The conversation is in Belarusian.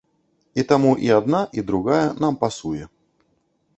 І таму і адна, і другая нам пасуе.